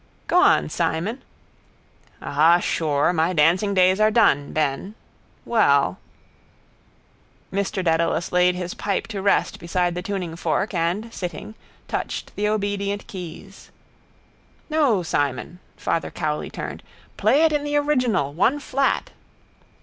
—Go on, Simon. —Ah, sure, my dancing days are done, Ben... Well... Mr Dedalus laid his pipe to rest beside the tuningfork and, sitting, touched the obedient keys. —No, Simon, Father Cowley turned. Play it in the original. One flat.